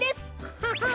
ハハハ。